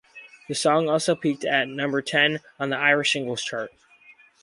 The song also peaked at number ten on the Irish Singles Chart.